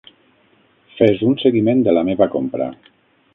Fes un seguiment de la meva compra.